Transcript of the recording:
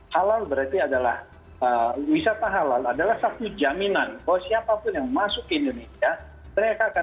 halal berarti adalah wisata halal adalah satu jaminan bahwa siapapun yang masuk ke indonesia mereka akan